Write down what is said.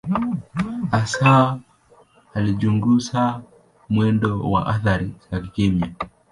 Hasa alichunguza mwendo wa athari za kikemia.